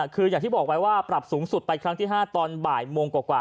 คืออย่างที่บอกไว้ว่าปรับสูงสุดไปครั้งที่๕ตอนบ่ายโมงกว่า